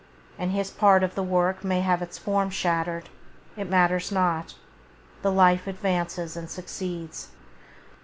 And his part of the work may have its form shattered; it matters not, the life advances and succeeds.